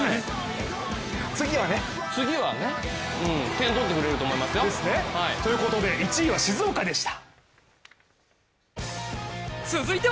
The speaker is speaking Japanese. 次はね、点、取ってくれると思いますよ。ということで１位は静岡でした。